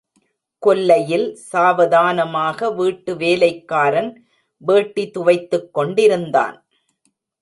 கொல்லையில் சாவதானமாக வீட்டு வேலைக்காரன் வேட்டி துவைத்துக் கொண்டிருந்தான்.